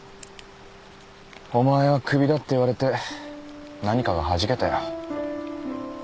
「お前はクビだ」って言われて何かがはじけたよ。